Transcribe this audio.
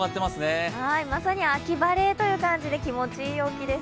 まさに秋晴れという感じで気持ちがいいです